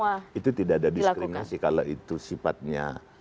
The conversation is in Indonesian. oh ya itu tidak ada diskriminasi kalau itu sifatnya